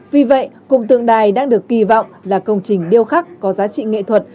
vì vậy cùng tượng đài đang được kỳ vọng là công trình điêu khắc có giá trị nghệ thuật